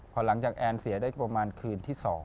พอหลังจากแอนเสียได้ประมาณคืนที่๒